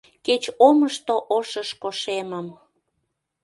Кеч омышто ошышко шемым